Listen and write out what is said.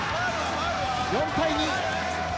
４対２。